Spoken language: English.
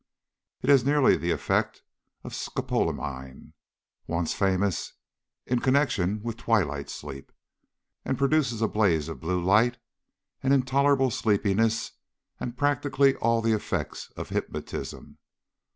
It has nearly the effect of scopolamine once famous in connection with twilight sleep and produces a daze of blue light, an intolerable sleepiness, and practically all the effects of hypnotism.